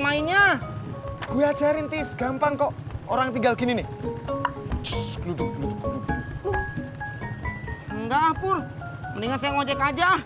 mainnya gue ajarin tis gampang kok orang tinggal gini nih cus kemudian enggak pur mendingan saya ngajak aja awas